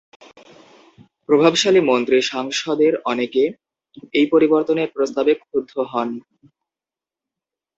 প্রভাবশালী মন্ত্রী সাংসদের অনেকে এই পরিবর্তনের প্রস্তাবে ক্ষুব্ধ হন।